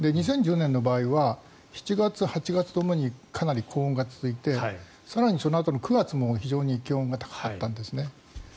２０１０年の場合は７月、８月ともにかなり高温が続いて更にそのあとの９月も非常に気温が高かったんですね。